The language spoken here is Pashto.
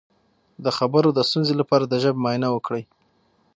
د خبرو د ستونزې لپاره د ژبې معاینه وکړئ